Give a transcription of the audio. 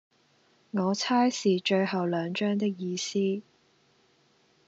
我猜是最後兩張的意思